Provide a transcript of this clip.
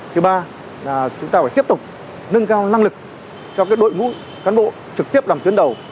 thứ ba là chúng ta phải tiếp tục nâng cao năng lực cho đội ngũ cán bộ trực tiếp làm tuyến đầu